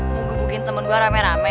mau gebukin temen gue rame rame